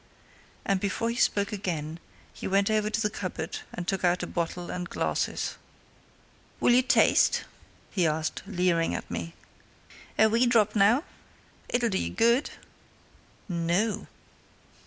And before he spoke again he went over to the cupboard and took out a bottle and glasses. "Will you taste?" he asked, leering at me. "A wee drop, now? It'll do you good." "No!"